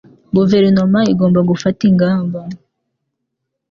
Guverinoma igomba gufata ingamba